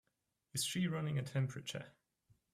Is she running a temperature?